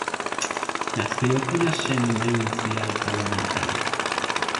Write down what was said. Nacido con ascendencia italo-americana.